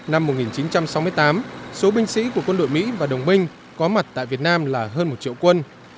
năm một nghìn chín trăm sáu mươi tám số binh sĩ của quân đội mỹ và đồng minh có mặt tại việt nam là hơn một triệu quân